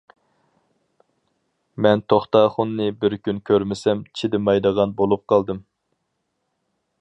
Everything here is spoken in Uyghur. مەن توختاخۇننى بىر كۈن كۆرمىسەم، چىدىمايدىغان بولۇپ قالدىم.